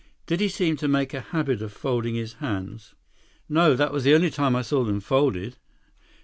Did he seem to make a habit of folding his hands?" "No, that was the only time I saw them folded.